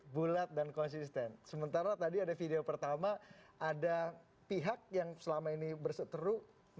bulat dan konsisten sementara tadi ada video pertama ada pihak yang selama ini berseteru